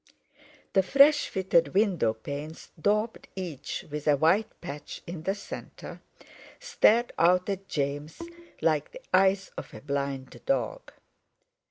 The fresh fitted window panes, daubed each with a white patch in the centre, stared out at James like the eyes of a blind dog.